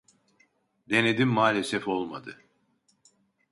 Denedim, maalesef olmadı